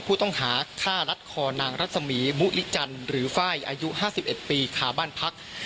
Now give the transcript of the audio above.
ผู้ต้องหาฆ่ารัดคอนางรัศมีมุริจันทร์หรือไฟล์อายุ๕๑ปีคาบ้านพัก